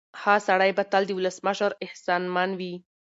هغه سړی به تل د ولسمشر احسانمن وي.